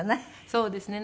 そうですね。